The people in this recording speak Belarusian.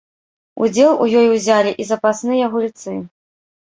Удзел у ёй узялі і запасныя гульцы.